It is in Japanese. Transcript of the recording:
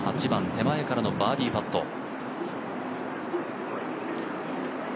８番手前からのバーディーパット。